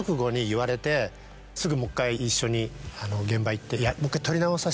すぐもう１回一緒に現場へ行って。